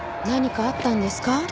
何かあったんですか？